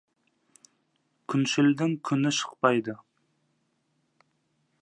Күншілдің күні шықпайды.